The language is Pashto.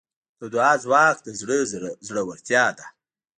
د دعا ځواک د زړه زړورتیا ده.